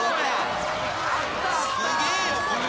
すげえよこれ。